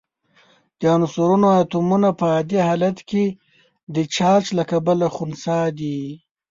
د عنصرونو اتومونه په عادي حالت کې د چارج له کبله خنثی دي.